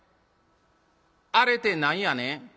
「『あれ』て何やねん？」。